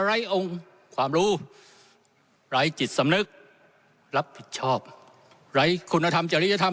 ไร้องค์ความรู้ไร้จิตสำนึกรับผิดชอบไร้คุณธรรมจริยธรรม